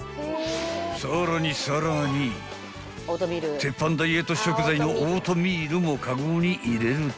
［鉄板ダイエット食材のオートミールもカゴに入れると］